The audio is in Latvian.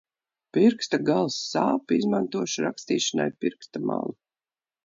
Pirksta gals sāp, izmantošu rakstīšanai pirksta malu.